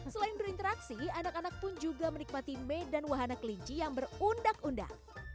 selain berinteraksi anak anak pun juga menikmati medan wahana kelinci yang berundak undak